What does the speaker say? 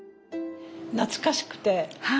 懐かしくて。